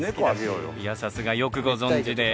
いやさすがよくご存じで。